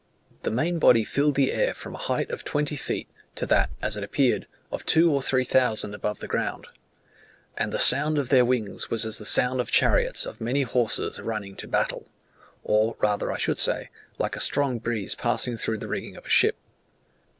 The main body filled the air from a height of twenty feet, to that, as it appeared, of two or three thousand above the ground; "and the sound of their wings was as the sound of chariots of many horses running to battle:" or rather, I should say, like a strong breeze passing through the rigging of a ship.